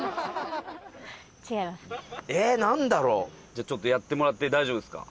じゃあちょっとやってもらって大丈夫ですか？